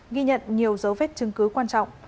ghi nhận nhiều dấu vết chứng cứ quan trọng